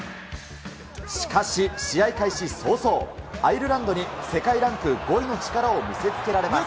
しかし、試合開始早々、アイルランドに世界ランク５位の力を見せつけられます。